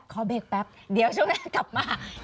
ขอเบรกแป๊บเดี๋ยวช่วงหน้ากลับมา